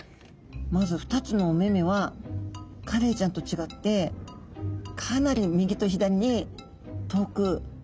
まず２つのお目々はカレイちゃんと違ってかなり右と左に遠く離れてる感じですね。